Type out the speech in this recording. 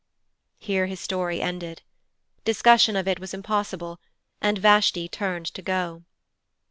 Here his story ended. Discussion of it was impossible, and Vashti turned to go.